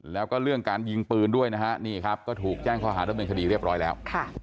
แล้วก็เรื่องการยิงปืนด้วยนะฮะนี่ครับก็ถูกแจ้งข้อหาดำเนินคดีเรียบร้อยแล้ว